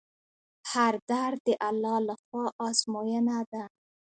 هر درد د الله له خوا ازموینه ده.